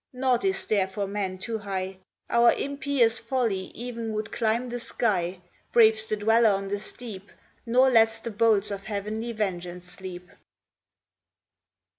Nought is there for man too high; Our impious folly e'en would climb the sky, Braves the dweller on the steep, Nor lets the bolts of heavenly vengeance sleep.